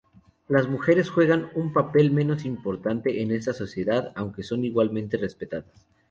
Las mujeres juegan un papel menos importante en esta sociedad, aunque son igualmente respetadas.